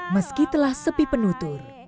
meski telah sepi penutur